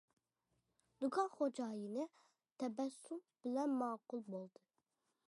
دۇكان خوجايىنى تەبەسسۇم بىلەن ماقۇل بولدى.